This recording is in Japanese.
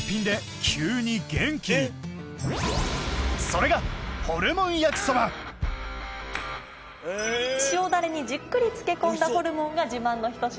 ⁉それが塩ダレにじっくり漬け込んだホルモンが自慢のひと品です。